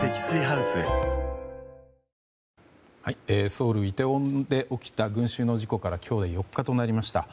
ソウル・イテウォンで起きた群衆の事故から今日で４日となりました。